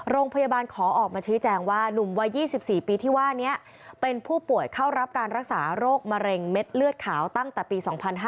โรงพยาบาลขอออกมาชี้แจงว่านุ่มวัย๒๔ปีที่ว่านี้เป็นผู้ป่วยเข้ารับการรักษาโรคมะเร็งเม็ดเลือดขาวตั้งแต่ปี๒๕๕๙